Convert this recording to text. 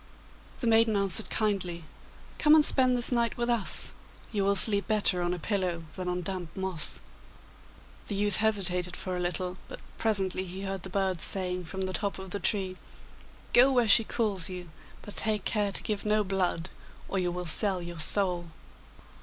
The maiden answered kindly, 'Come and spend this night with us. You will sleep better on a pillow than on damp moss.' The youth hesitated for a little, but presently he heard the birds saying from the top of the tree, 'Go where she calls you, but take care to give no blood, or you will sell your soul.